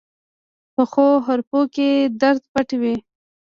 پخو حرفو کې درد پټ وي